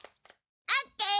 オッケー！